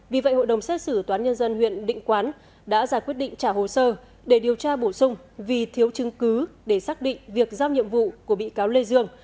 vì vậy hội đồng xét xử toán nhân dân huyện định quán đã ra quyết định trả hồ sơ để điều tra bổ sung vì thiếu chứng cứ để xác định việc giao nhiệm vụ của bị cáo lê dương